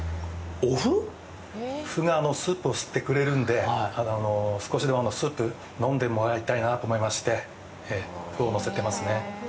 麩がスープを吸ってくれるので、少しでもスープを飲んでもらいたいなと思いまして麩をのせてますね。